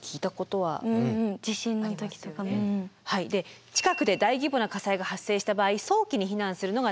はい近くで大規模な火災が発生した場合早期に避難するのが大切です。